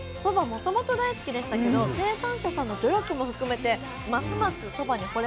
もともと大好きでしたけど生産者さんの努力も含めてますますそばに惚れました。